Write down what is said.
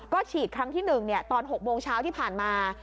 ก็ฉีดครั้งที่๑ตอน๖โมงเช้าที่ผ่านมา